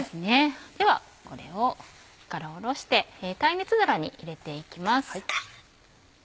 ではこれを火から下ろして耐熱皿に入れていきます。